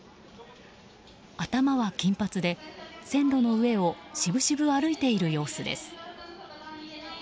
頭は金髪で、線路の上を渋々、歩いている様子です。